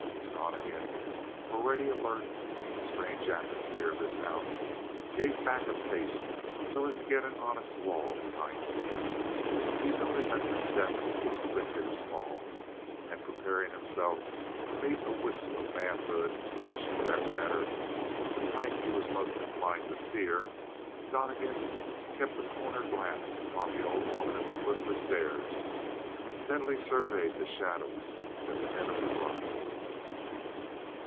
And Donnegan, already alert in the strange atmosphere of this house, gave back a pace so as to get an honest wall behind him. He noted that the step was quick and small, and preparing himself to meet a wisp of manhood which, for that matter, was the type he was most inclined to fear Donnegan kept a corner glance upon the old woman at the foot of the stairs and steadily surveyed the shadows at the head of the rise.